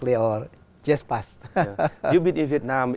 một bài hát việt nam